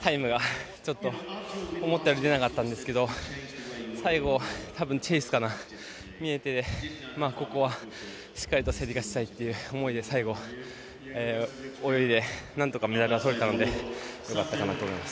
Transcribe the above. タイムがちょっと思ったより出なかったんですけど最後、多分チェイスかな見えてここはしっかりと競り勝ちたいという思いで最後、泳いでなんとかメダルが取れたのでよかったかなと思います。